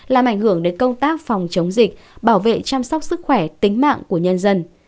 làm ảnh hưởng đến công tác phòng chống dịch bảo vệ chăm sóc sức khỏe tính mạng của nhân dân